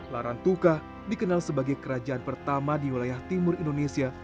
larantuka dikenal sebagai kerajaan pertama di wilayah timur indonesia